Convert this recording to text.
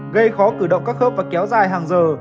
gây khó cử động các khớp và kéo dài hàng giờ